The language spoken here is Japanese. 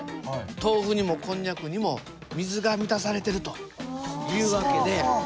とうふにもこんにゃくにも水が満たされているという訳で。